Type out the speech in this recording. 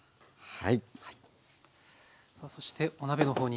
はい。